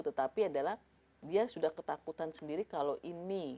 tetapi adalah dia sudah ketakutan sendiri kalau ini